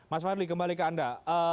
mas fadli kembali ke anda